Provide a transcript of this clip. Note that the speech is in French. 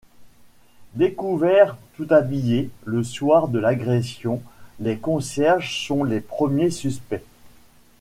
Découverts tout habillés le soir de l'agression, les concierges sont les premiers suspects.